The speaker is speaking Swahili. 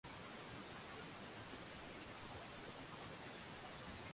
mr kateva naam hii ni nini hasa tuiite